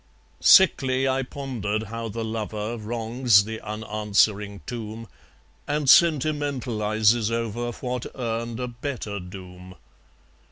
Sickly I pondered how the lover Wrongs the unanswering tomb, And sentimentalizes over What earned a better doom.